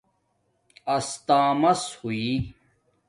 استݳمس ہوئ